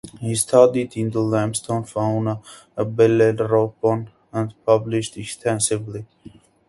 He studied the limestone fauna at Bellerophon and published extensively.